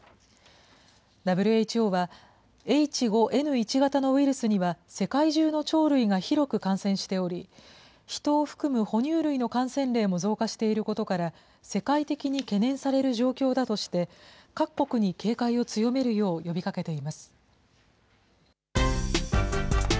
ＷＨＯは、Ｈ５Ｎ１型のウイルスには世界中の鳥類が広く感染しており、ヒトを含むほ乳類の感染例も増加していることから、世界的に懸念される状況だとして、各国に警戒を強めるよう呼びかけています。